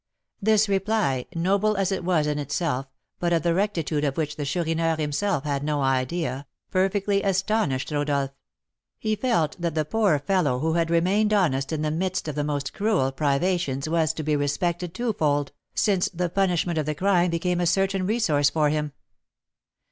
This reply, noble as it was in itself, but of the rectitude of which the Chourineur himself had no idea, perfectly astonished Rodolph. He felt that the poor fellow who had remained honest in the midst of the most cruel privations was to be respected twofold, since the punishment of the crime became a certain resource for him.